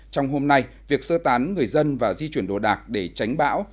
trong hôm nay việc sơ tán người dân và di chuyển đồ đạc để tránh bão